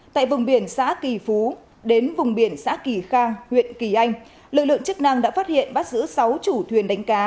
tại vùng biển xã kỳ phú đến vùng biển xã kỳ khang huyện kỳ anh lực lượng chức năng đã phát hiện bắt giữ sáu chủ thuyền đánh cá